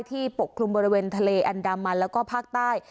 ปกคลุมบริเวณทะเลอันดามันแล้วก็ภาคใต้